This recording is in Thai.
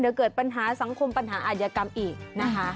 เดี๋ยวเกิดปัญหาสังคมปัญหาอาจยกรรมอีกนะคะ